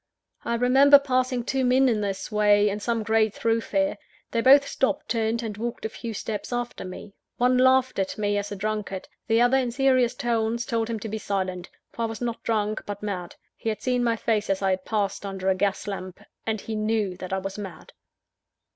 I remember passing two men in this way, in some great thoroughfare. They both stopped, turned, and walked a few steps after me. One laughed at me, as a drunkard. The other, in serious tones, told him to be silent; for I was not drunk, but mad he had seen my face as I passed under a gas lamp, and he knew that I was mad.